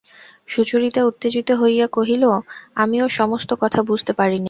সুচরিতা উত্তেজিত হইয়া কহিল, আমি ও-সমস্ত কথা বুঝতে পারি নে।